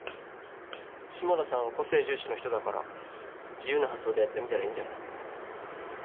下田さんは個性重視の人だから自由な発想でやってみたらいいんじゃない？